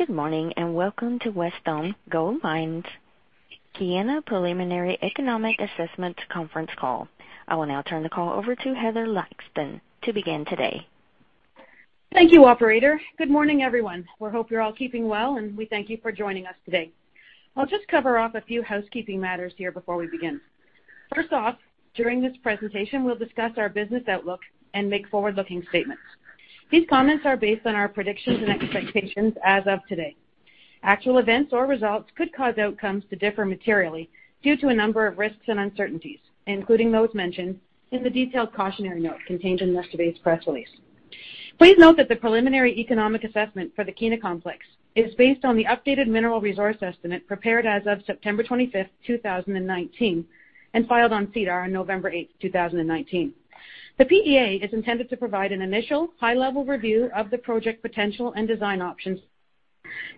Good morning, welcome to Wesdome Gold Mines' Kiena Preliminary Economic Assessment conference call. I will now turn the call over to Heather Laxton to begin today. Thank you, operator. Good morning, everyone. We hope you're all keeping well, and we thank you for joining us today. I'll just cover off a few housekeeping matters here before we begin. First off, during this presentation, we'll discuss our business outlook and make forward-looking statements. These comments are based on our predictions and expectations as of today. Actual events or results could cause outcomes to differ materially due to a number of risks and uncertainties, including those mentioned in the detailed cautionary note contained in yesterday's press release. Please note that the preliminary economic assessment for the Kiena Complex is based on the updated mineral resource estimate prepared as of September 25th, 2019, and filed on SEDAR on November 8th, 2019. The PEA is intended to provide an initial high-level review of the project potential and design options,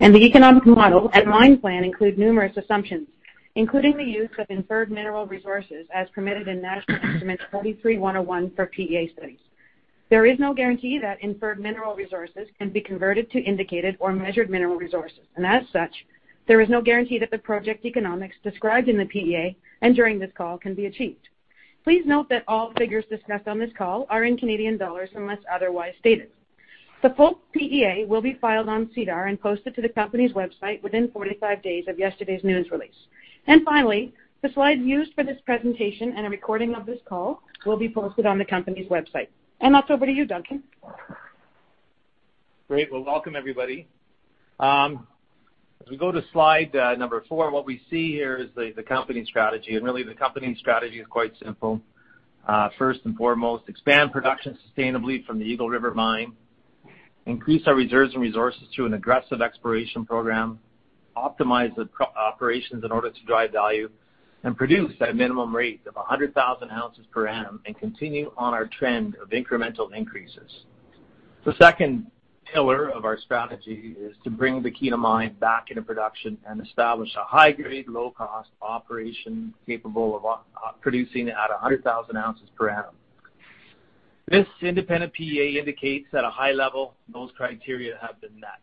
and the economic model and mine plan include numerous assumptions, including the use of inferred mineral resources as permitted in National Instrument 43-101 for PEA studies. There is no guarantee that inferred mineral resources can be converted to indicated or measured mineral resources, and as such, there is no guarantee that the project economics described in the PEA and during this call can be achieved. Please note that all figures discussed on this call are in Canadian dollars unless otherwise stated. The full PEA will be filed on SEDAR and posted to the company's website within 45 days of yesterday's news release. Finally, the slides used for this presentation and a recording of this call will be posted on the company's website. I'll throw it over to you, Duncan. Well, welcome everybody. If we go to slide number four, what we see here is the company strategy. Really, the company strategy is quite simple. First and foremost, expand production sustainably from the Eagle River Mine, increase our reserves and resources through an aggressive exploration program, optimize the operations in order to drive value, and produce at a minimum rate of 100,000 ounces per annum and continue on our trend of incremental increases. The second pillar of our strategy is to bring the Kiena Mine back into production and establish a high-grade, low-cost operation capable of producing at 100,000 ounces per annum. This independent PEA indicates at a high level those criteria have been met.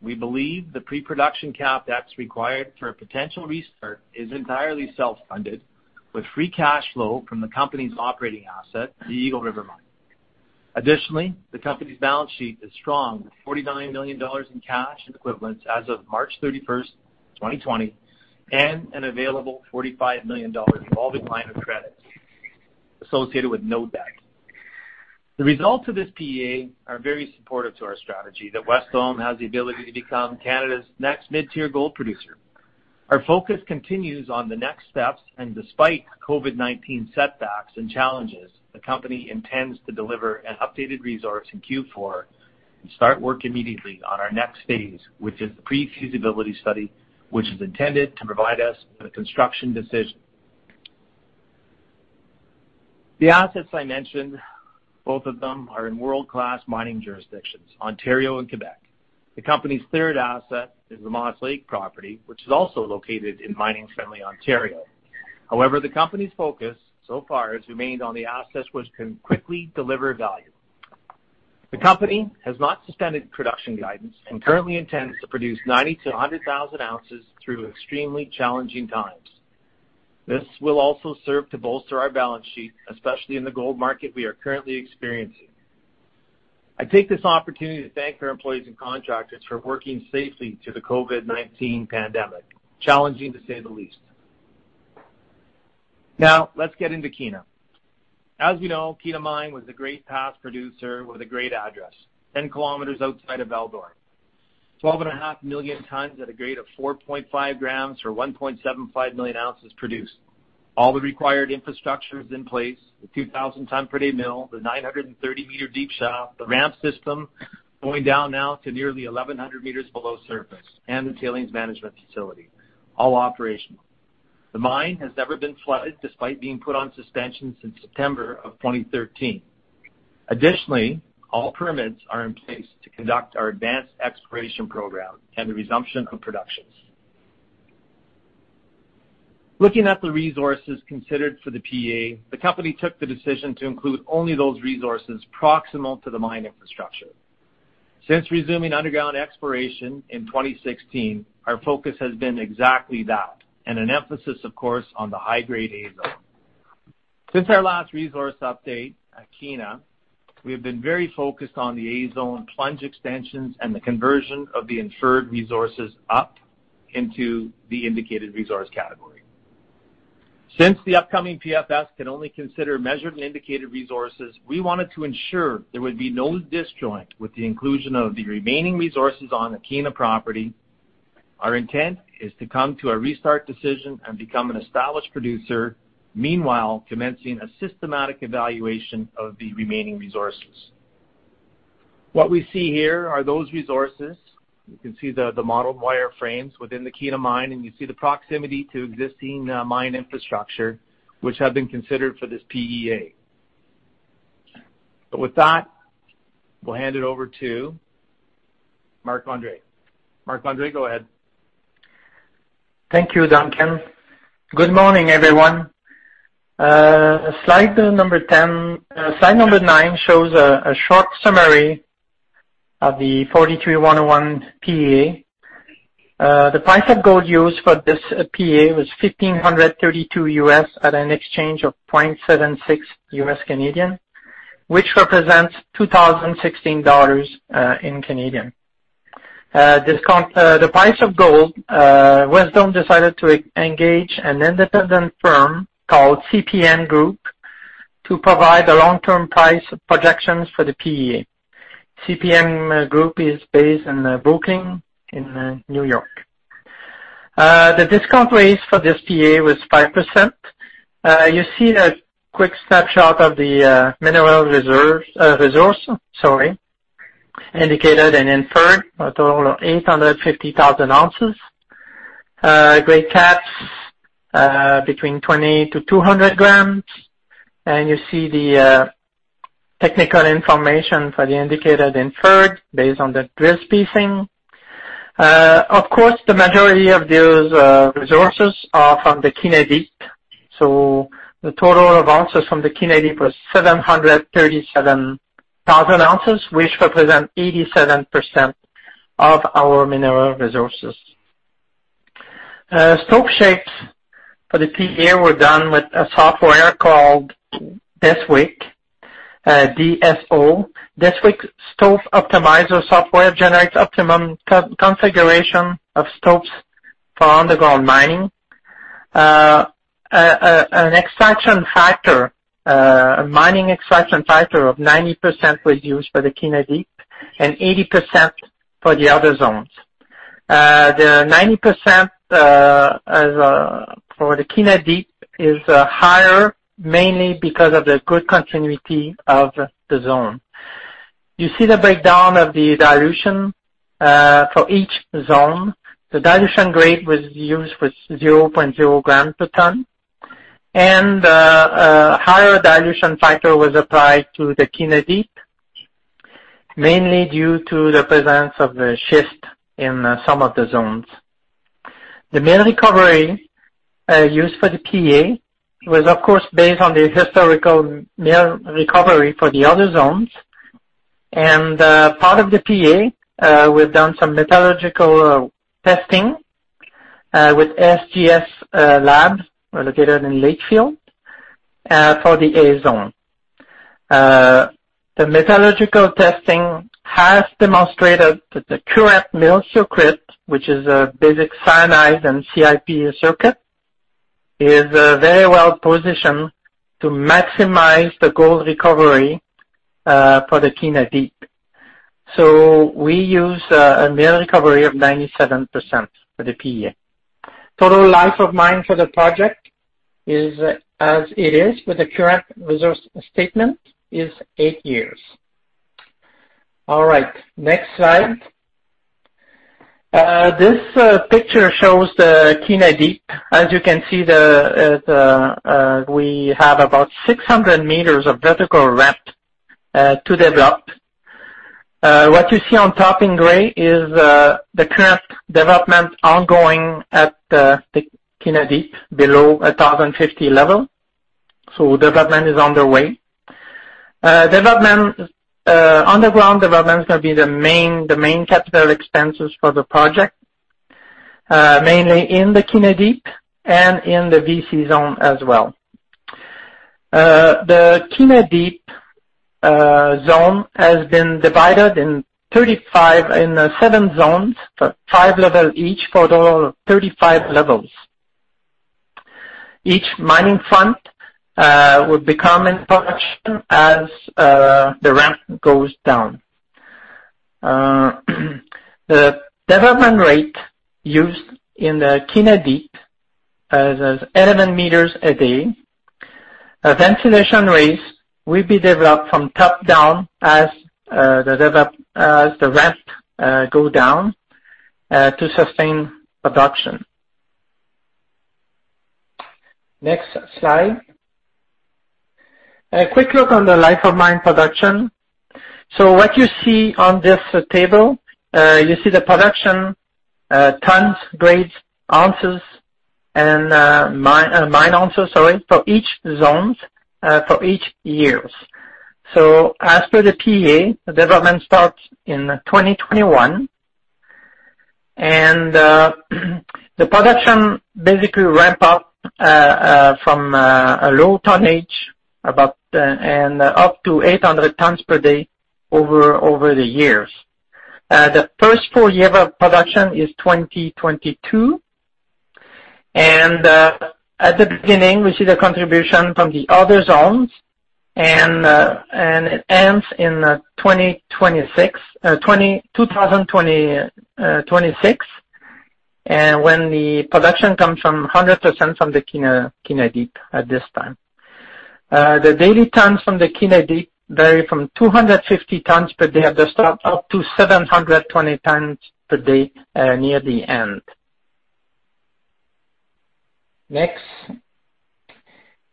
We believe the pre-production cap that is required for a potential restart is entirely self-funded with free cash flow from the company's operating asset, the Eagle River Mine. Additionally, the company's balance sheet is strong with 49 million dollars in cash and equivalents as of March 31st, 2020, and an available 45 million dollars revolving line of credit associated with no debt. The results of this PEA are very supportive to our strategy that Wesdome has the ability to become Canada's next mid-tier gold producer. Despite COVID-19 setbacks and challenges, the company intends to deliver an updated resource in Q4 and start work immediately on our next phase, which is the pre-feasibility study, which is intended to provide us with a construction decision. The assets I mentioned, both of them are in world-class mining jurisdictions, Ontario and Québec. The company's third asset is the Moss Lake property, which is also located in mining-friendly Ontario. However, the company's focus so far has remained on the assets which can quickly deliver value. The company has not suspended production guidance and currently intends to produce 90,000 to 100,000 ounces through extremely challenging times. This will also serve to bolster our balance sheet, especially in the gold market we are currently experiencing. I take this opportunity to thank our employees and contractors for working safely through the COVID-19 pandemic. Challenging, to say the least. Let's get into Kiena. As we know, Kiena Mine was a great past producer with a great address, 10 km outside of Val-d'Or. 12.5 million tons at a grade of 4.5 grams or 1.75 million ounces produced. All the required infrastructure is in place. The 2,000 ton per day mill, the 930 meter deep shaft, the ramp system going down now to nearly 1,100 meters below surface, and the tailings management facility, all operational. The mine has never been flooded despite being put on suspension since September of 2013. Additionally, all permits are in place to conduct our advanced exploration program and the resumption of productions. Looking at the resources considered for the PEA, the company took the decision to include only those resources proximal to the mine infrastructure. Since resuming underground exploration in 2016, our focus has been exactly that and an emphasis, of course, on the high-grade A Zone. Since our last resource update at Kiena, we have been very focused on the A Zone plunge extensions and the conversion of the inferred mineral resources up into the indicated mineral resources category. Since the upcoming PFS can only consider measured mineral resources and indicated mineral resources, we wanted to ensure there would be no disjoint with the inclusion of the remaining resources on the Kiena property. Our intent is to come to a restart decision and become an established producer, meanwhile commencing a systematic evaluation of the remaining resources. What we see here are those resources. You can see the model wireframes within the Kiena Mine, and you see the proximity to existing mine infrastructure, which have been considered for this PEA. With that, we'll hand it over to Marc-André. Marc-André, go ahead. Thank you, Duncan. Good morning, everyone. Slide number nine shows a short summary of the 43-101 PEA. The price of gold used for this PEA was $1,532 US at an exchange of 0.76 US/Canadian, which represents 2,016 dollars. The price of gold, Wesdome decided to engage an independent firm called CPM Group to provide the long-term price projections for the PEA. CPM Group is based in Brooklyn in New York. The discount rate for this PEA was 5%. You see a quick snapshot of the mineral resource, indicated and inferred, a total of 850,000 ounces. Grade caps between 20 grams to 200 grams. You see the technical information for the indicated inferred based on the drill spacing. Of course, the majority of those resources are from the Kiena Deep. The total of ounces from the Kiena Deep was 737,000 ounces, which represent 87% of our mineral resources. Stope shapes for the PEA were done with a software called Deswik. D-E-S-W-I-K. Deswik stope optimizer software generates optimum configuration of stopes for underground mining. An extraction factor, a mining extraction factor of 90% was used for the Kiena Deep and 80% for the other zones. The 90% for the Kiena Deep is higher, mainly because of the good continuity of the zone. You see the breakdown of the dilution for each zone. The dilution grade used was 0.0 grams per ton, and a higher dilution factor was applied to the Kiena Deep, mainly due to the presence of the schist in some of the zones. The mill recovery used for the PEA was, of course, based on the historical mill recovery for the other zones. Part of the PEA, we've done some metallurgical testing with SGS Lakefield, located in Lakefield, for the A Zone. The metallurgical testing has demonstrated that the current mill circuit, which is a basic cyanide and CIP circuit, is very well-positioned to maximize the gold recovery for the Kiena Deep. We use a mill recovery of 97% for the PEA. Total life of mine for the project, as it is with the current resource statement, is eight years. All right. Next slide. This picture shows the Kiena Deep. As you can see, we have about 600 meters of vertical ramp to develop. What you see on top in gray is the current development ongoing at the Kiena Deep, below 1,050 level. Development is underway. Underground development is going to be the main capital expenses for the project, mainly in the Kiena Deep and in the VC Zone as well. The Kiena Deep zone has been divided in seven zones, for five level each for the 35 levels. Each mining front will become in production as the ramp goes down. The development rate used in the Kiena Deep is 11 meters a day. Ventilation rates will be developed from top-down as the ramp go down to sustain production. Next slide. A quick look on the life of mine production. What you see on this table, you see the production, tons, grades, ounces, mine ounces, sorry, for each zones for each years. As per the PEA, the development starts in 2021. The production basically ramp up from a low tonnage and up to 800 tons per day over the years. The first full year of production is 2022, and at the beginning, we see the contribution from the other zones, and it ends in 2026, when the production comes from 100% from the Kiena Deep at this time. The daily tons from the Kiena Deep vary from 250 tons per day at the start, up to 720 tons per day near the end. Next.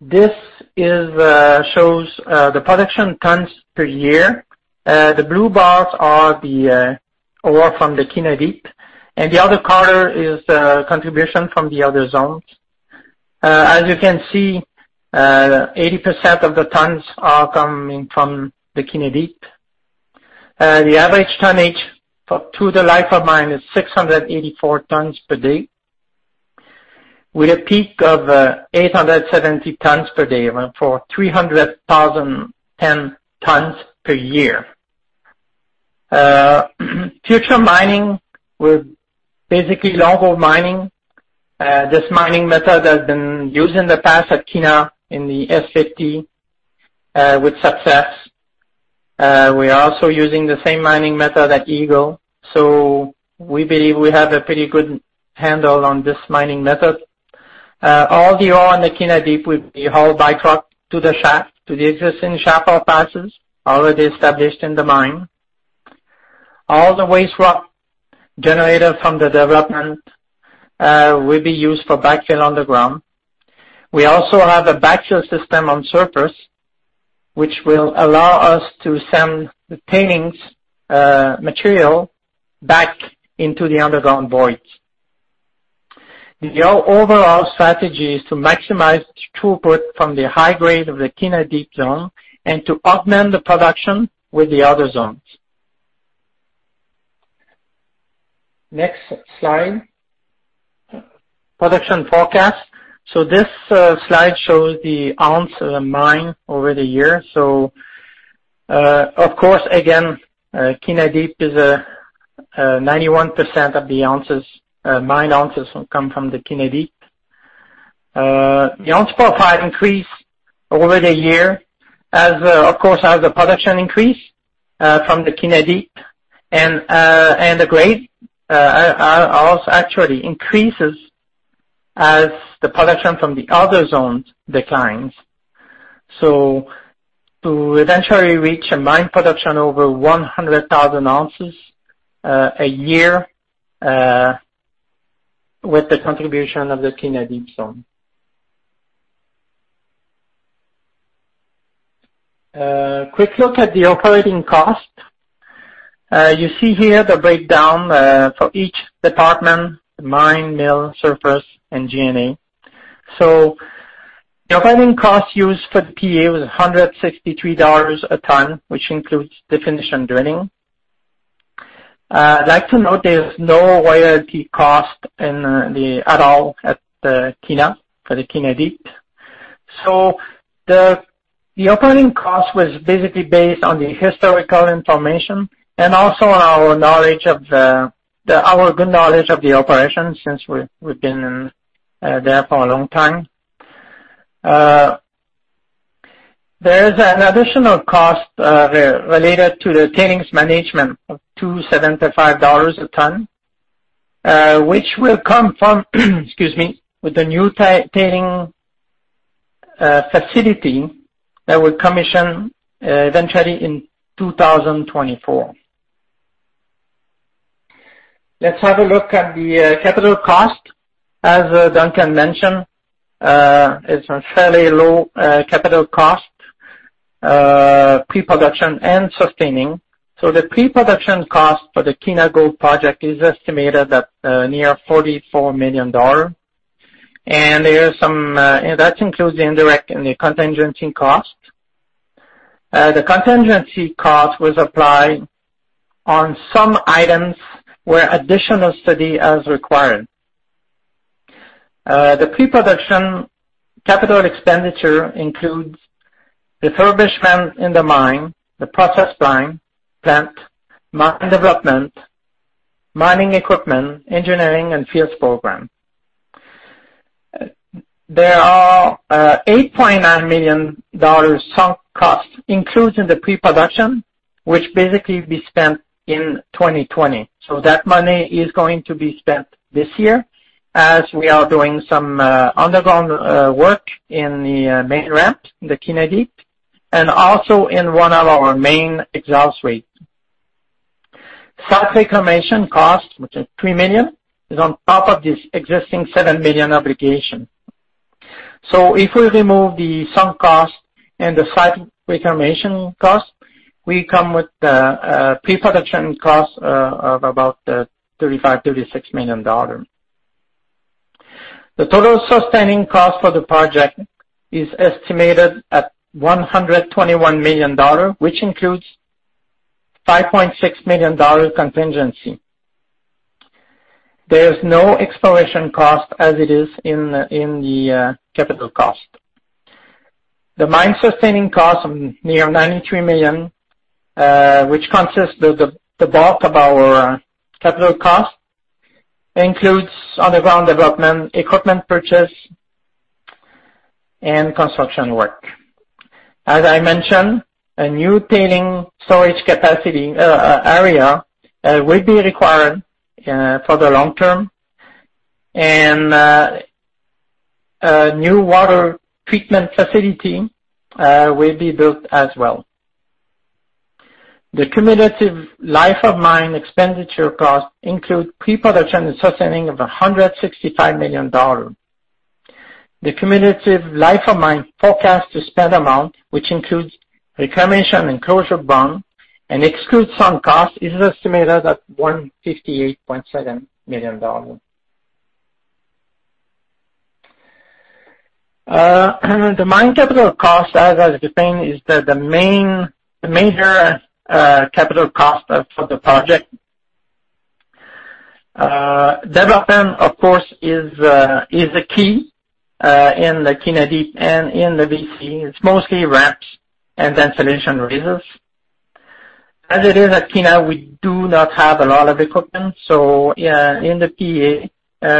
This shows the production tons per year. The blue bars are the ore from the Kiena Deep, and the other color is the contribution from the other zones. As you can see, 80% of the tons are coming from the Kiena Deep. The average tonnage through the life of mine is 684 tons per day, with a peak of 870 tons per day, for 310,000 tons per year. Future mining, with basically long hole mining. This mining method has been used in the past at Kiena in the S50, with success. We are also using the same mining method at Eagle, so we believe we have a pretty good handle on this mining method. All the ore in the Kiena Deep will be hauled by truck to the shaft, to the existing shaft accesses already established in the mine. All the waste rock generated from the development will be used for backfill underground. We also have a backfill system on surface, which will allow us to send the tailings material back into the underground voids. The overall strategy is to maximize throughput from the high grade of the Kiena Deep zone and to augment the production with the other zones. Next slide. Production forecast. This slide shows the ounces mined over the years. Of course, again, Kiena Deep is 91% of the mined ounces come from the Kiena Deep. The ounce profile increased over the year, of course, as the production increased from the Kiena Deep and the grade also actually increases as the production from the other zones declines. To eventually reach a mine production over 100,000 ounces a year, with the contribution of the Kiena Deep zone. A quick look at the operating cost. You see here the breakdown for each department, the mine, mill, surface, and G&A. The operating cost used for the PEA was 163 dollars a ton, which includes definition drilling. I'd like to note there's no royalty cost at all at the Kiena for the Kiena Deep. The operating cost was basically based on the historical information and also on our good knowledge of the operation since we've been there for a long time. There is an additional cost there related to the tailings management of 275 dollars a ton, which will come with the new tailings facility that will commission eventually in 2024. Let's have a look at the capital cost. As Duncan mentioned, it's a fairly low capital cost, pre-production and sustaining. The pre-production cost for the Kiena Gold project is estimated at near CAD 44 million. That includes the indirect and the contingency cost. The contingency cost was applied on some items where additional study is required. The pre-production capital expenditure includes refurbishment in the mine, the process line, plant, mine development, mining equipment, engineering, and fields program. There are 8.9 million dollars sunk costs included in the pre-production, which basically will be spent in 2020. That money is going to be spent this year as we are doing some underground work in the main ramp, the Kiena Deep, and also in one of our main exhaust ways. Site reclamation cost, which is 3 million, is on top of this existing 7 million obligation. If we remove the sunk cost and the site reclamation cost, we come with a pre-production cost of about 35 million-36 million dollars. The total sustaining cost for the project is estimated at 121 million dollars, which includes 5.6 million dollar contingency. There is no exploration cost as it is in the capital cost. The mine sustaining cost of near 93 million, which consists of the bulk of our capital cost, includes underground development, equipment purchase, and construction work. As I mentioned, a new tailings storage area will be required for the long term, and a new water treatment facility will be built as well. The cumulative life of mine expenditure costs include pre-production and sustaining of 165 million dollars. The cumulative life of mine forecast to spend amount, which includes reclamation and closure bond and excludes sunk costs, is estimated at 158.7 million dollars. The mine capital cost, as I was explaining, is the major capital cost of the project. Development, of course, is a key in the Kiena Deep and in the VC. It's mostly ramps and ventilation raisers. As it is at Kiena, we do not have a lot of equipment, so in the PEA,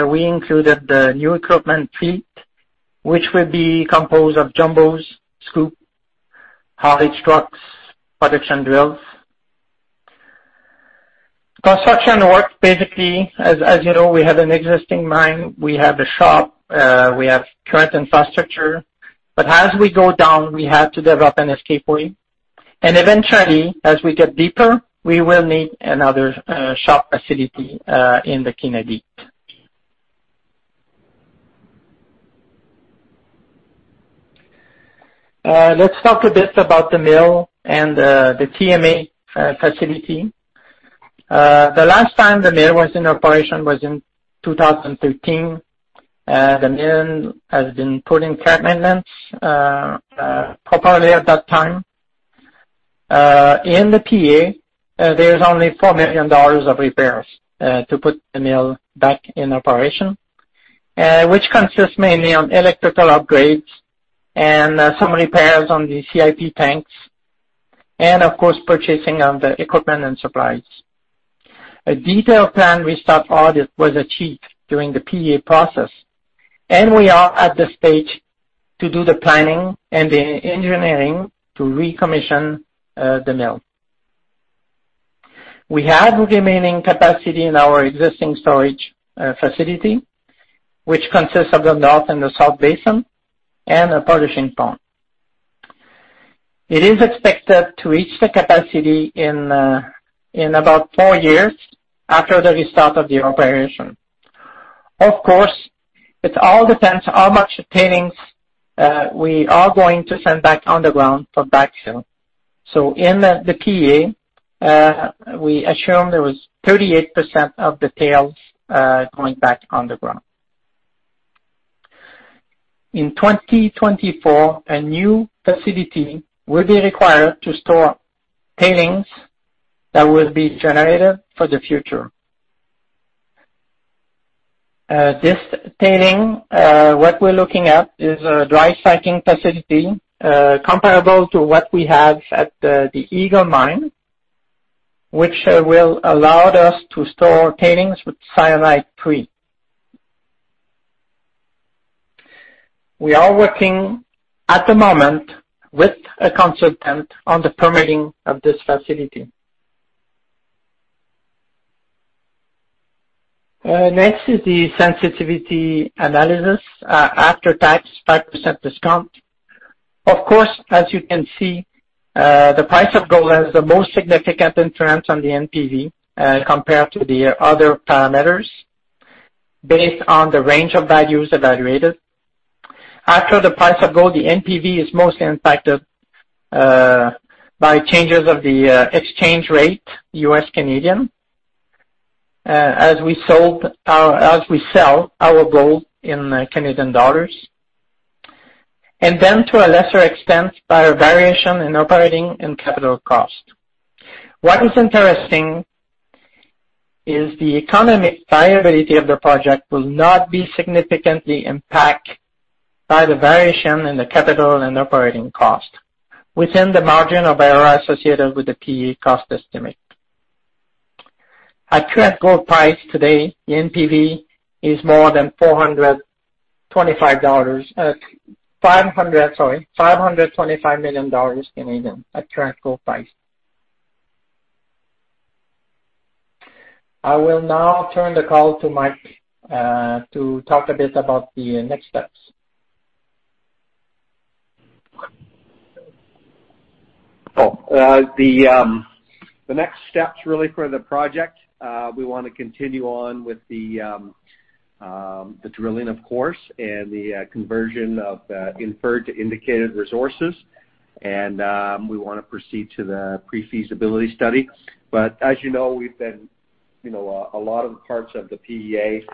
we included the new equipment fleet, which will be composed of jumbos, scoop, haulage trucks, production drills. Construction work, basically, as you know, we have an existing mine. We have a shop. We have current infrastructure. As we go down, we have to develop an escape way, and eventually, as we get deeper, we will need another shop facility in the Kiena Deep. Let's talk a bit about the mill and the TMA facility. The last time the mill was in operation was in 2013. The mill has been put in plant maintenance properly at that time. In the PEA, there's only 4 million dollars of repairs to put the mill back in operation, which consists mainly on electrical upgrades and some repairs on the CIP tanks, and of course, purchasing of the equipment and supplies. A detailed plan restart audit was achieved during the PEA process, and we are at the stage to do the planning and the engineering to recommission the mill. We have remaining capacity in our existing storage facility, which consists of the north and the south basin, and a polishing pond. It is expected to reach the capacity in about four years after the restart of the operation. Of course, it all depends how much tailings we are going to send back underground for backfill. In the PEA, we assume there was 38% of the tails going back underground. In 2024, a new facility will be required to store tailings that will be generated for the future. This tailing, what we're looking at is a dry stacking facility comparable to what we have at the Eagle Mine, which will allow us to store tailings with cyanide-free. We are working at the moment with a consultant on the permitting of this facility. Next is the sensitivity analysis, after-tax 5% discount. Of course, as you can see, the price of gold has the most significant influence on the NPV compared to the other parameters based on the range of values evaluated. After the price of gold, the NPV is mostly impacted by changes of the exchange rate, U.S., Canadian, as we sell our gold in Canadian dollars. To a lesser extent, by a variation in operating and capital cost. What is interesting is the economic viability of the project will not be significantly impact by the variation in the capital and operating cost within the margin of error associated with the PEA cost estimate. At current gold price today, the NPV is more than 425 dollars, sorry, 525 million dollars Canadian at current gold price. I will now turn the call to Mike to talk a bit about the next steps. The next steps really for the project, we want to continue on with the drilling, of course, and the conversion of inferred to indicated resources. We want to proceed to the pre-feasibility study. As you know, a lot of parts of the PEA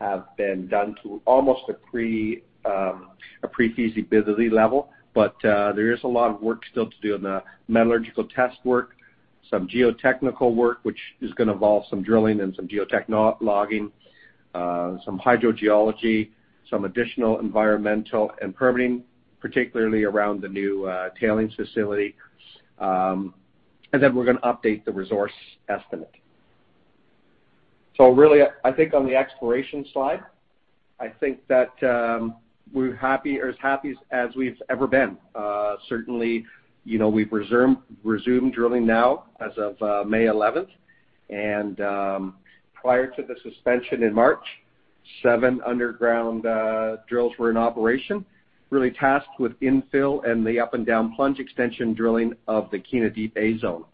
have been done to almost a pre-feasibility level. There is a lot of work still to do on the metallurgical test work, some geotechnical work, which is going to involve some drilling and some geotech logging, some hydrogeology, some additional environmental and permitting, particularly around the new tailings facility. We're going to update the resource estimate. Really, I think on the exploration side, I think that we're as happy as we've ever been. Certainly, we've resumed drilling now as of May 11th. Prior to the suspension in March, seven underground drills were in operation, really tasked with infill and the up-and-down plunge extension drilling of the Kiena Deep A Zone.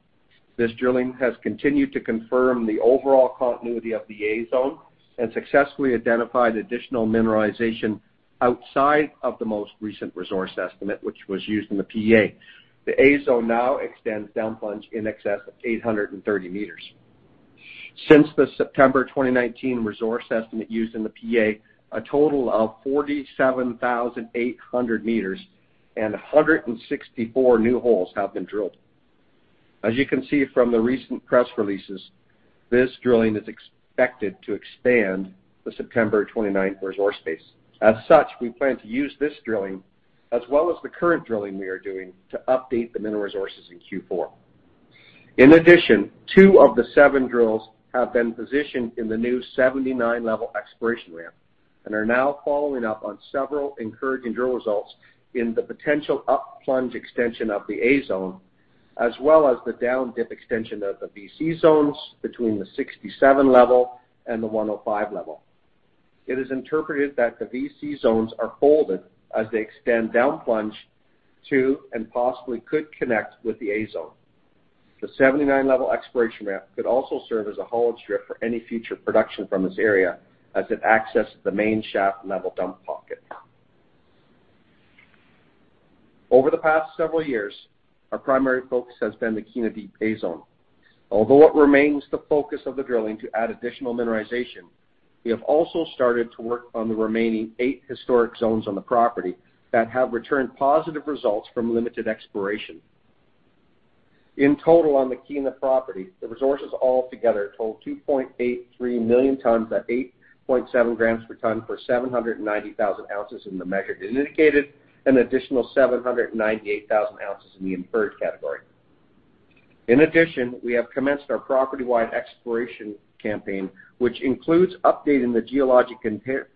This drilling has continued to confirm the overall continuity of the A Zone and successfully identified additional mineralization outside of the most recent resource estimate, which was used in the PEA. The A Zone now extends down plunge in excess of 830 meters. Since the September 2019 resource estimate used in the PEA, a total of 47,800 meters and 164 new holes have been drilled. As you can see from the recent press releases, this drilling is expected to expand the September 29th resource base. We plan to use this drilling as well as the current drilling we are doing to update the mineral resources in Q4. Two of the seven drills have been positioned in the new 79 level exploration ramp and are now following up on several encouraging drill results in the potential up-plunge extension of the A Zone, as well as the down-dip extension of the VC Zones between the 67 level and the 105 level. It is interpreted that the VC Zones are folded as they extend down plunge to and possibly could connect with the A Zone. The 79 level exploration ramp could also serve as a haulage strip for any future production from this area as it accesses the main shaft level dump pocket. Over the past several years, our primary focus has been the Kiena Deep A Zone. Although it remains the focus of the drilling to add additional mineralization, we have also started to work on the remaining eight historic zones on the property that have returned positive results from limited exploration. In total, on the Kiena property, the resources all together total 2.83 million tons at 8.7 grams per ton for 790,000 ounces in the measured and indicated, an additional 798,000 ounces in the inferred category. In addition, we have commenced our property-wide exploration campaign, which includes updating the geologic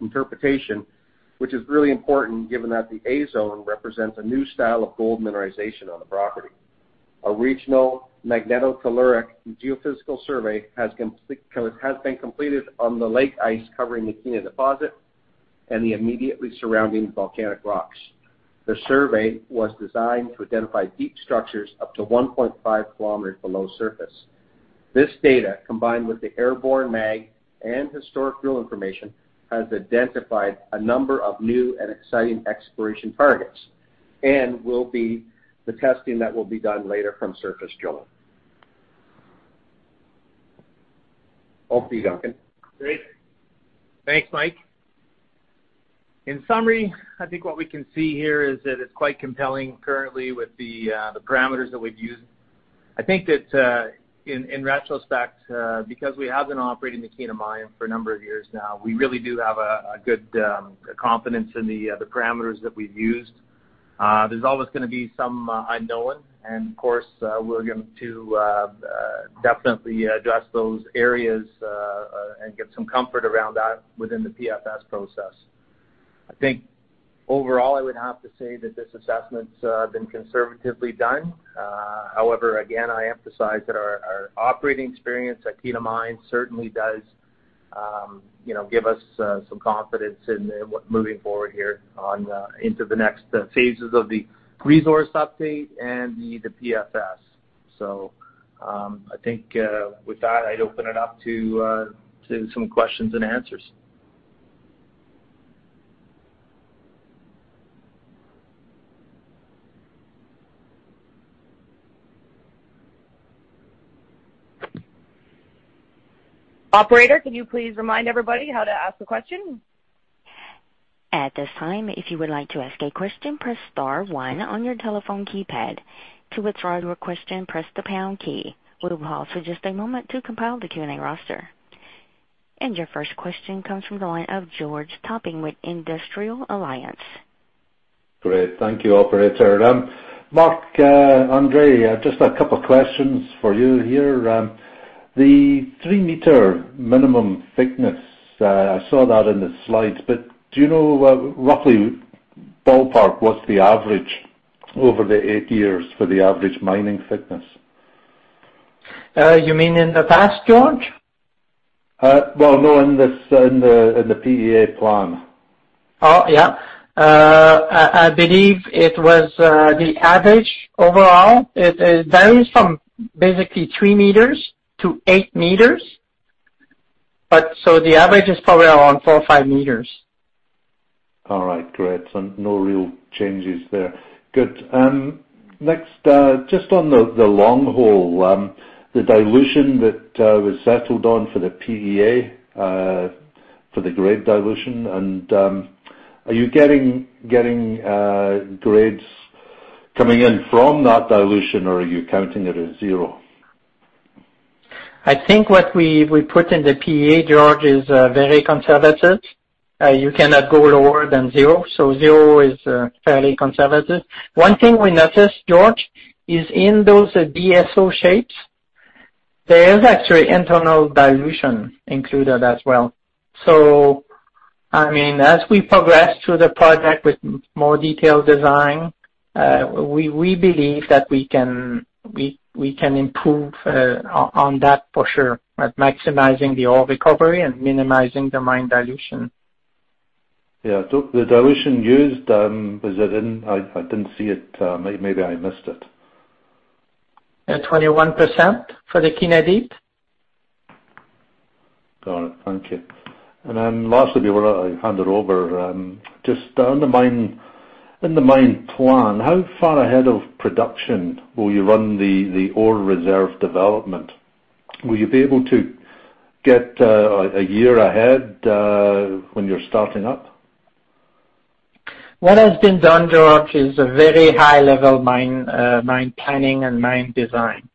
interpretation, which is really important given that the A Zone represents a new style of gold mineralization on the property. A regional magnetotelluric geophysical survey has been completed on the lake ice covering the Kiena deposit and the immediately surrounding volcanic rocks. The survey was designed to identify deep structures up to 1.5 km below surface. This data, combined with the airborne mag and historic drill information, has identified a number of new and exciting exploration targets and will be the testing that will be done later from surface drilling. Over to you, Duncan. Great. Thanks, Mike. In summary, I think what we can see here is that it's quite compelling currently with the parameters that we've used. I think that in retrospect, because we have been operating the Kiena Mine for a number of years now, we really do have a good confidence in the parameters that we've used. There's always going to be some unknown, and of course, we're going to definitely address those areas and get some comfort around that within the PFS process. I think overall, I would have to say that this assessment's been conservatively done. Again, I emphasize that our operating experience at Kiena Mine certainly does give us some confidence in moving forward here into the next phases of the resource update and the PFS. I think with that, I'd open it up to some questions and answers. Operator, can you please remind everybody how to ask a question? At this time, if you would like to ask a question, press star one on your telephone keypad. To withdraw your question, press the pound key. We will pause for just a moment to compile the Q&A roster. Your first question comes from the line of George Topping with Industrial Alliance. Great. Thank you, operator. Marc-André, just a couple questions for you here. The three-meter minimum thickness, I saw that in the slides, do you know roughly, ballpark, what's the average over the eight years for the average mining thickness? You mean in the past, George? Well, no, in the PEA plan. Yeah. I believe it was the average overall. It varies from basically 3 meters-8 meters. The average is probably around 4 meters or 5 meters. All right, great. No real changes there. Good. Next, just on the long hole, the dilution that was settled on for the PEA, for the grade dilution. Are you getting grades coming in from that dilution or are you counting it as zero? I think what we put in the PEA, George, is very conservative. You cannot go lower than zero, so zero is fairly conservative. One thing we noticed, George, is in those DSO shapes, there is actually internal dilution included as well. As we progress through the project with more detailed design. We believe that we can improve on that for sure, at maximizing the ore recovery and minimizing the mine dilution. Yeah. The dilution used, I didn't see it. Maybe I missed it. At 21% for the Kiena deposit. Got it. Thank you. Lastly, before I hand it over, just on the mine plan, how far ahead of production will you run the ore reserve development? Will you be able to get a year ahead when you're starting up? What has been done, George, is a very high-level mine planning and mine design.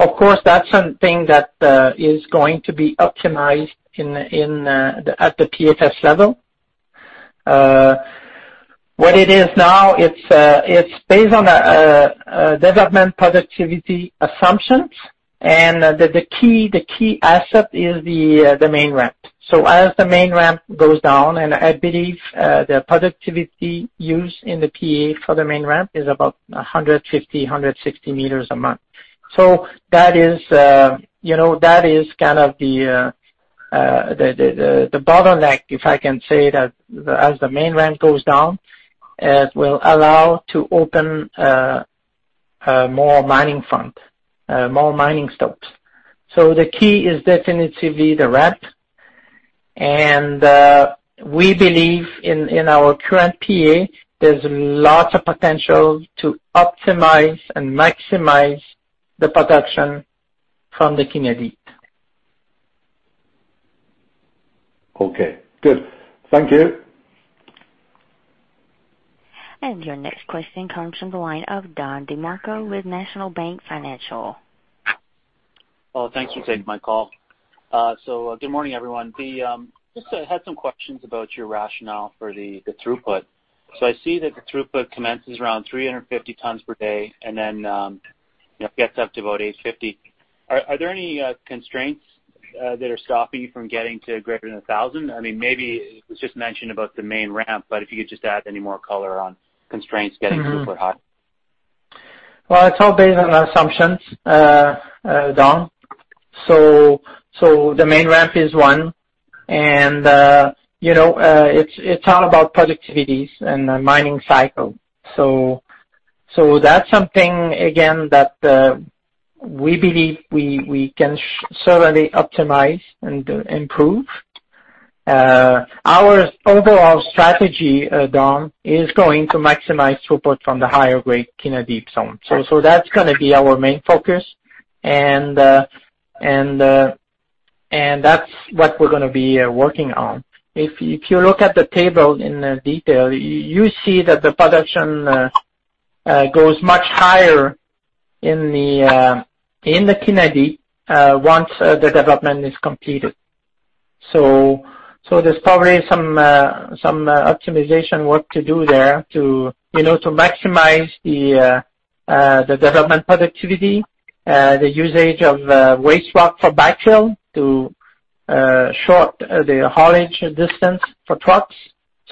Of course, that's something that is going to be optimized at the PFS level. What it is now, it's based on development productivity assumptions, and the key asset is the main ramp. As the main ramp goes down, and I believe the productivity used in the PEA for the main ramp is about 150, 160 meters a month. That is the bottleneck, if I can say that as the main ramp goes down, it will allow to open more mining front, more mining stopes. The key is definitively the ramp, and we believe in our current PEA, there's lots of potential to optimize and maximize the production from the Kiena Deep. Okay, good. Thank you. Your next question comes from the line of Don DeMarco with National Bank Financial. Well, thanks for taking my call. Good morning, everyone. Just had some questions about your rationale for the throughput. I see that the throughput commences around 350 tons per day, and then gets up to about 850. Are there any constraints that are stopping you from getting to greater than 1,000? Maybe it was just mentioned about the main ramp, but if you could just add any more color on constraints getting throughput high. Well, it's all based on assumptions, Don. The main ramp is one, and it's all about productivities and the mining cycle. That's something, again, that we believe we can certainly optimize and improve. Our overall strategy, Don, is going to maximize throughput from the higher-grade Kiena Deep zone. That's gonna be our main focus and that's what we're gonna be working on. If you look at the table in detail, you see that the production goes much higher in the Kiena Deep once the development is completed. There's probably some optimization work to do there to maximize the development productivity, the usage of waste rock for backfill to short the haulage distance for trucks.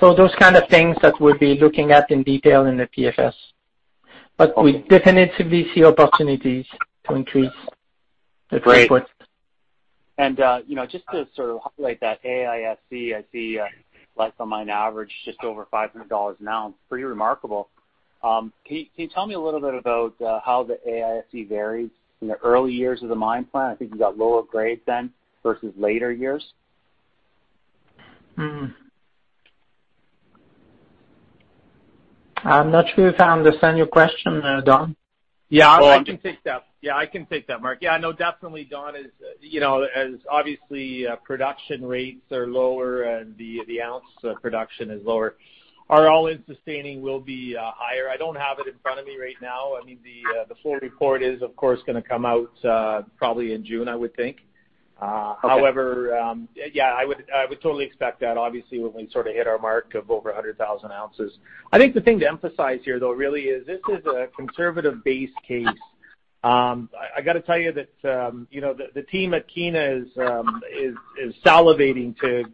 Those kind of things that we'll be looking at in detail in the PFS. We definitively see opportunities to increase the throughput. Great. Just to sort of highlight that AISC, I see life of mine average just over 500 dollars an ounce. Pretty remarkable. Can you tell me a little bit about how the AISC varies in the early years of the mine plan? I think you got lower grades then versus later years. I'm not sure if I understand your question, Don. I can take that, Marc. No, definitely, Don, as obviously production rates are lower and the ounce production is lower. Our all-in sustaining will be higher. I don't have it in front of me right now. The full report is, of course, going to come out probably in June, I would think. Okay. I would totally expect that, obviously, when we sort of hit our mark of over 100,000 ounces. I think the thing to emphasize here, though, really is this is a conservative base case. I got to tell you that the team at Kiena is salivating to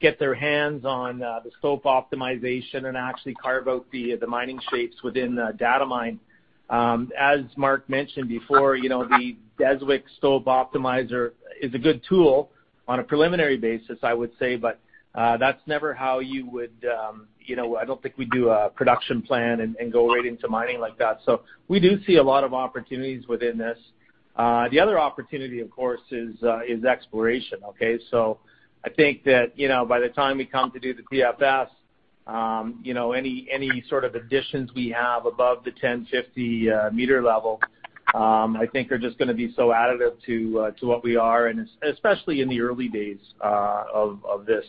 get their hands on the stope optimization and actually carve out the mining shapes within Datamine. As Marc mentioned before, the Deswik stope optimizer is a good tool on a preliminary basis, I would say, that's never how you would I don't think we do a production plan and go right into mining like that. We do see a lot of opportunities within this. The other opportunity, of course, is exploration, okay? I think that, by the time we come to do the PFS, any sort of additions we have above the 1,050-meter level, I think are just gonna be so additive to what we are, and especially in the early days of this.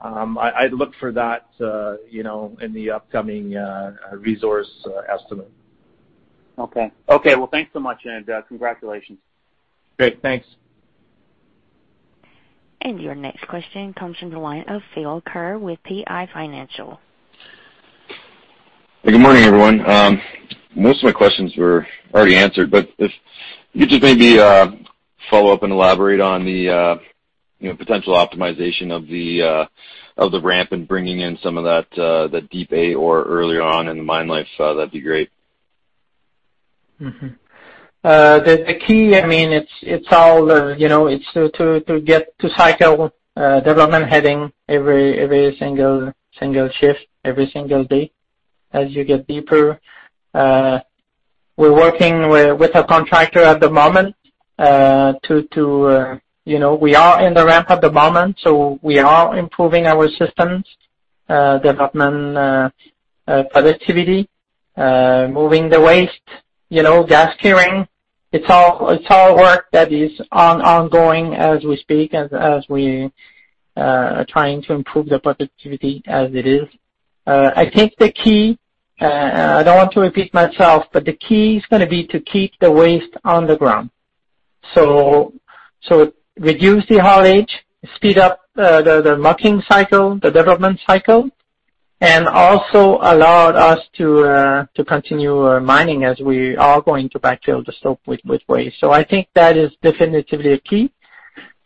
I'd look for that in the upcoming resource estimate. Okay. Well, thanks so much, and congratulations. Great. Thanks. Your next question comes from the line of Phil Ker with PI Financial. Good morning, everyone. Most of my questions were already answered, but if you could just maybe follow up and elaborate on the potential optimization of the ramp and bringing in some of that Deep A ore earlier on in the mine life, that'd be great. The key, it's to get to cycle development heading every single shift, every single day as you get deeper. We're working with a contractor at the moment. We are in the ramp at the moment, so we are improving our systems, development productivity, moving the waste, gas clearing. It's all work that is ongoing as we speak, as we are trying to improve the productivity as it is. I think the key, I don't want to repeat myself, but the key is going to be to keep the waste underground. Reduce the haulage, speed up the mucking cycle, the development cycle, and also allowed us to continue mining as we are going to backfill the stope with waste. I think that is definitively a key.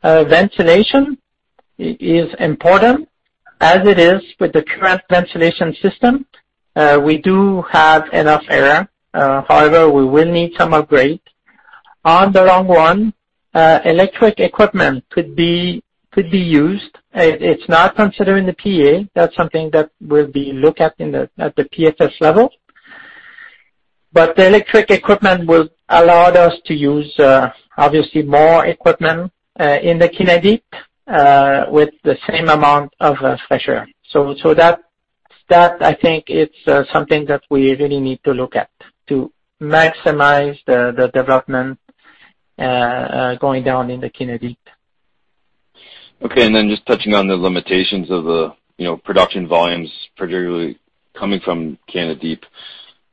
Ventilation is important as it is with the current ventilation system. We do have enough air. We will need some upgrade. In the long run, electric equipment could be used. It's not considered in the PEA. That's something that will be looked at in the PFS level. The electric equipment will allow us to use, obviously, more equipment in the Kiena Deep with the same amount of fresh air. That, I think, it's something that we really need to look at to maximize the development going down in the Kiena Deep. Just touching on the limitations of the production volumes, particularly coming from Kiena Deep.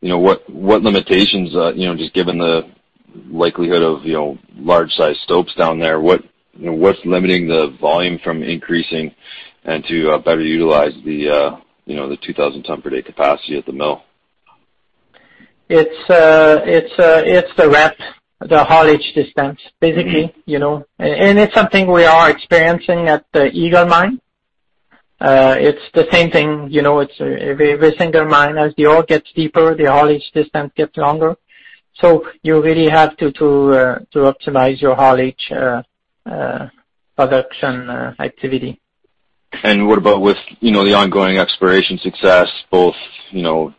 What limitations, just given the likelihood of large size stopes down there, what's limiting the volume from increasing and to better utilize the 2,000 ton per day capacity at the mill? It's the ramp, the haulage distance, basically. It's something we are experiencing at the Eagle Mine. It's the same thing, every single mine, as the ore gets deeper, the haulage distance gets longer. You really have to optimize your haulage production activity. What about with the ongoing exploration success, both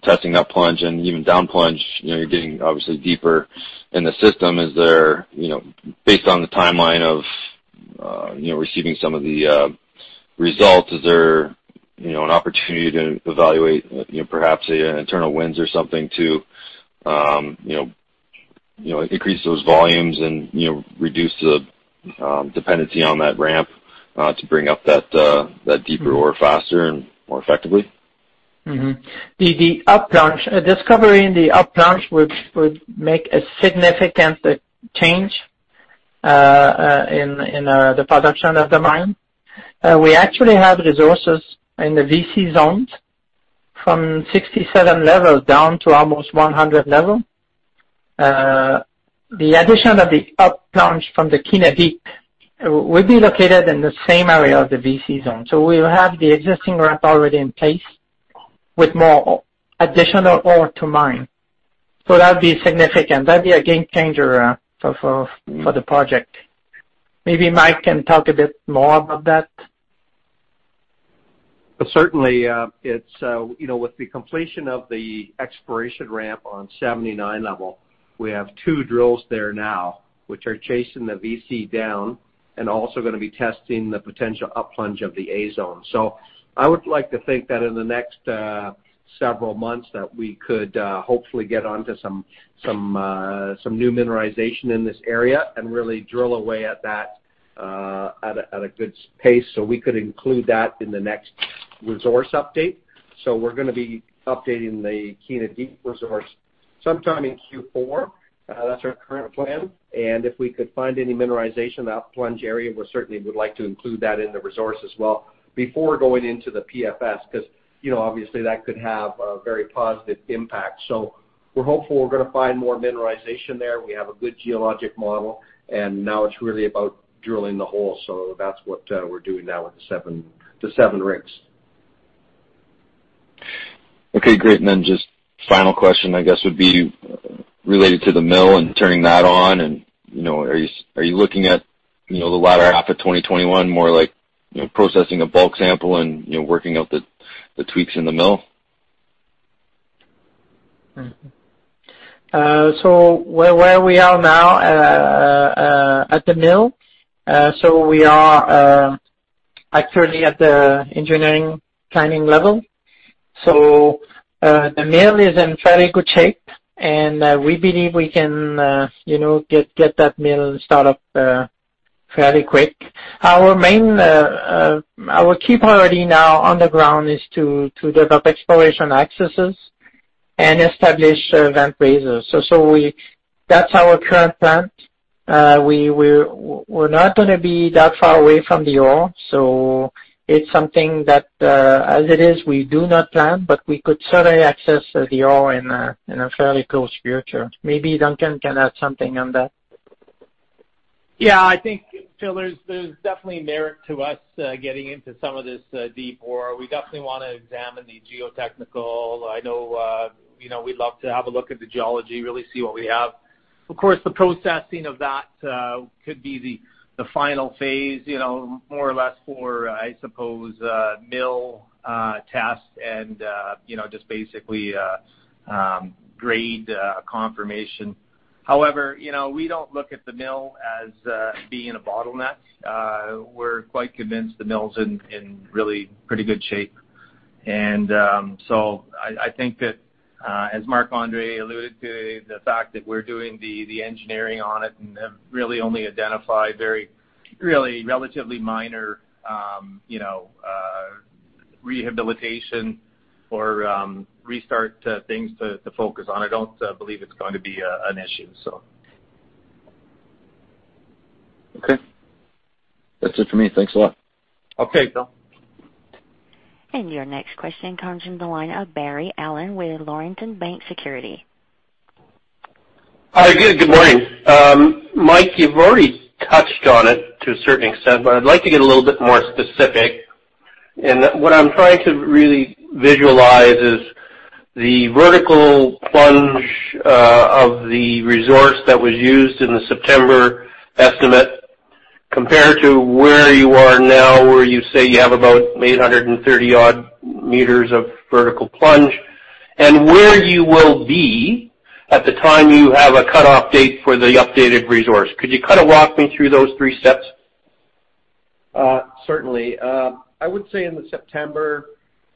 testing up plunge and even down plunge, you are getting obviously deeper in the system. Based on the timeline of receiving some of the results, is there an opportunity to evaluate perhaps internal winze or something to increase those volumes and reduce the dependency on that ramp to bring up that deeper ore faster and more effectively? Discovering the up plunge would make a significant change in the production of the mine. We actually have resources in the VC zones from level 67 down to almost level 100. The addition of the up plunge from the Kiena Deep would be located in the same area of the VC zone. We will have the existing ramp already in place with more additional ore to mine. That'd be significant. That'd be a game changer for the project. Maybe Mike can talk a bit more about that. Certainly, with the completion of the exploration ramp on 79 level, we have two drills there now, which are chasing the VC down and also going to be testing the potential up plunge of the A zone. I would like to think that in the next several months that we could hopefully get onto some new mineralization in this area and really drill away at that at a good pace so we could include that in the next resource update. We're going to be updating the Kiena Deep resource sometime in Q4. That's our current plan. If we could find any mineralization in that plunge area, we certainly would like to include that in the resource as well before going into the PFS, because obviously that could have a very positive impact. We're hopeful we're going to find more mineralization there. We have a good geologic model, now it's really about drilling the hole. That's what we're doing now with the seven rigs. Okay, great. Just final question, I guess, would be related to the mill and turning that on. Are you looking at the latter half of 2021, more like processing a bulk sample and working out the tweaks in the mill? Where we are now at the mill. We are actually at the engineering planning level. The mill is in fairly good shape, and we believe we can get that mill start up fairly quick. Our key priority now on the ground is to develop exploration accesses and establish vent raises. That's our current plan. We're not going to be that far away from the ore. It's something that, as it is, we do not plan, but we could certainly access the ore in a fairly close future. Maybe Duncan can add something on that. Yeah, I think, Phil, there's definitely merit to us getting into some of this deep ore. We definitely want to examine the geotechnical. I know we'd love to have a look at the geology, really see what we have. Of course, the processing of that could be the final phase, more or less for, I suppose, mill test and just basically grade confirmation. However, we don't look at the mill as being a bottleneck. We're quite convinced the mill's in really pretty good shape. I think that, as Marc-André alluded to, the fact that we're doing the engineering on it and have really only identified very relatively minor rehabilitation or restart things to focus on, I don't believe it's going to be an issue. Okay. That's it for me. Thanks a lot. Okay. Bye. Your next question comes in the line of Barry Allan with Laurentian Bank Securities. Hi, good morning. Mike, you've already touched on it to a certain extent, but I'd like to get a little bit more specific. What I'm trying to really visualize is the vertical plunge of the resource that was used in the September estimate compared to where you are now, where you say you have about 830-odd meters of vertical plunge, and where you will be at the time you have a cutoff date for the updated resource. Could you walk me through those three steps? Certainly. I would say in the September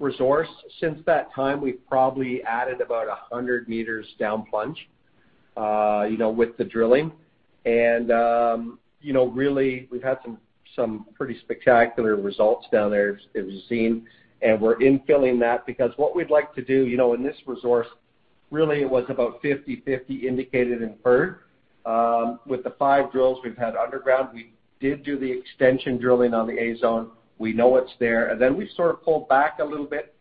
resource, since that time, we've probably added about 100 meters down plunge with the drilling. Really, we've had some pretty spectacular results down there as you've seen, and we're infilling that because what we'd like to do in this resource, really it was about 50/50 indicated and inferred. With the five drills we've had underground, we did do the extension drilling on the A Zone. We know it's there. Then we sort of pulled back a little bit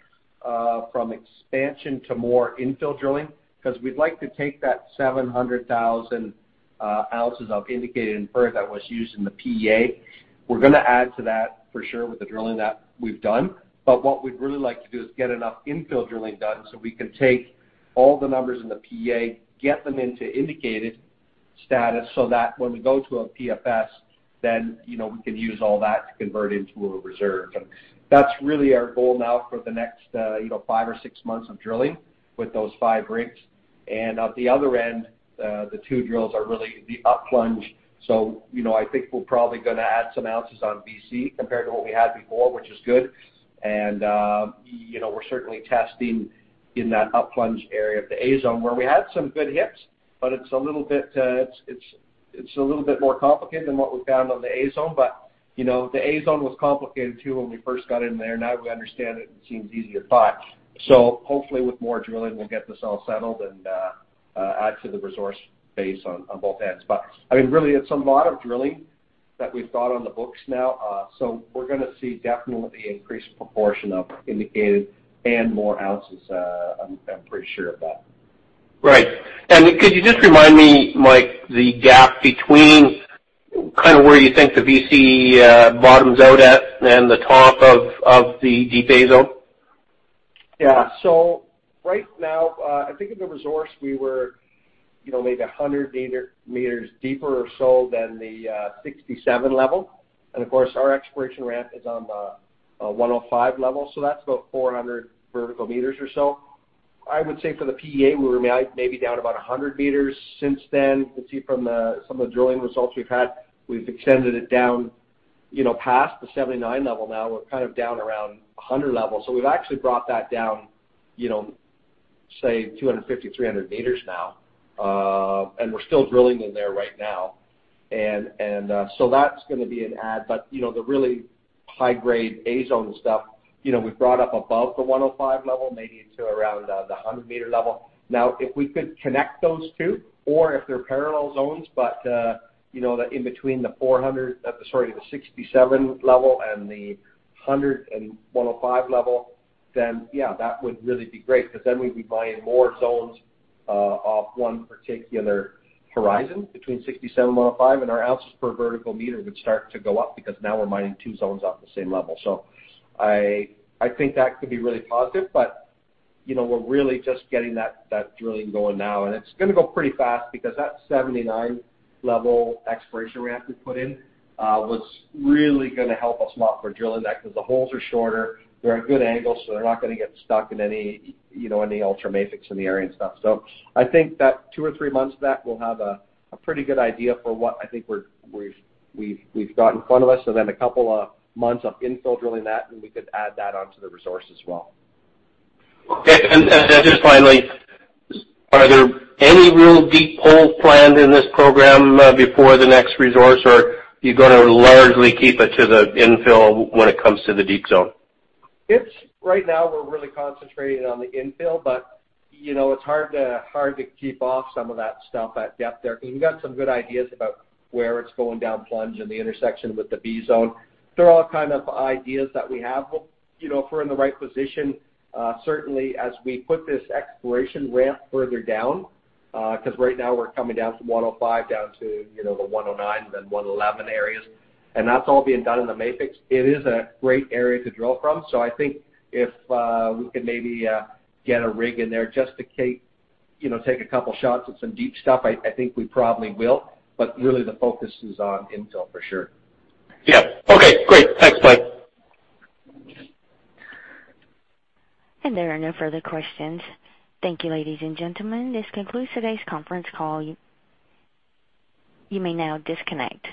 from expansion to more infill drilling, because we'd like to take that 700,000 ounces of indicated and inferred that was used in the PEA. We're going to add to that for sure with the drilling that we've done. What we'd really like to do is get enough infill drilling done so we can take all the numbers in the PEA, get them into indicated status, so that when we go to a PFS, then we can use all that to convert into a reserve. That's really our goal now for the next five or six months of drilling with those five rigs. At the other end, the two drills are really the up plunge. I think we're probably going to add some ounces on VC compared to what we had before, which is good. We're certainly testing in that up plunge area of the A Zone where we had some good hits, but it's a little bit more complicated than what we found on the A Zone. The A-zone was complicated, too, when we first got in there. Now we understand it seems easier, hopefully with more drilling, we'll get this all settled and add to the resource base on both ends. Really, it's a lot of drilling that we've got on the books now. We're going to see definitely increased proportion of indicated and more ounces, I'm pretty sure of that. Right. Could you just remind me, Mike, the gap between where you think the VC bottoms out at and the top of the deep A Zone? Right now, I think in the resource, we were maybe 100 meters deeper or so than the 67 level. Of course, our exploration ramp is on the 105 level, so that's about 400 vertical meters or so. I would say for the PEA, we were maybe down about 100 meters since then. You can see from some of the drilling results we've had, we've extended it down past the 79 level now. We're down around 100 level. We've actually brought that down, say, 250, 300 meters now. We're still drilling in there right now. That's going to be an add, but the really high-grade A Zone stuff we've brought up above the 105 level, maybe to around the 100 meter level. If we could connect those two or if they're parallel zones, but in between the 400, sorry, the 67 level and the 100 and 105 level, yeah, that would really be great because then we'd be buying more zones off one particular horizon between 67 and 105, and our ounces per vertical meter would start to go up because now we're mining two zones off the same level. I think that could be really positive, but we're really just getting that drilling going now, and it's going to go pretty fast because that 79 level exploration ramp we put in was really going to help us a lot for drilling that because the holes are shorter. They're at good angles, they're not going to get stuck in any ultramafics in the area and stuff. I think that two or three months back, we'll have a pretty good idea for what I think we've got in front of us. A couple of months of infill drilling that, and we could add that onto the resource as well. Okay. Just finally, are there any real deep holes planned in this program before the next resource, or are you going to largely keep it to the infill when it comes to the deep zone? Right now, we're really concentrating on the infill, but it's hard to keep off some of that stuff at depth there because we've got some good ideas about where it's going down plunge and the intersection with the B Zone. They're all ideas that we have. If we're in the right position, certainly as we put this exploration ramp further down, because right now we're coming down from 105 down to the 109, then 111 areas, and that's all being done in the mafics. It is a great area to drill from. I think if we can maybe get a rig in there just to take a couple shots at some deep stuff, I think we probably will. Really the focus is on infill for sure. Yeah. Okay, great. Thanks, Mike. There are no further questions. Thank you, ladies and gentlemen. This concludes today's conference call. You may now disconnect.